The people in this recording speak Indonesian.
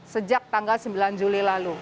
sejak tanggal sembilan juli